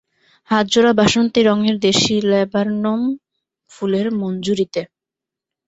হাত জোড়া বাসন্তী রঙের দেশী ল্যাবার্নম ফুলের মঞ্জরীতে।